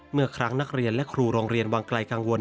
เมื่อครั้งนักเรียนและครูโรงเรียนวังไกลกังวล